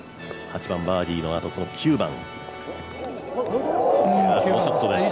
８番バーディーのあと、この９番。